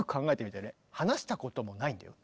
話したこともないんだよ。